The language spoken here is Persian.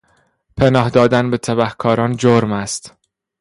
پناه دادن به تبهکاران جرم است.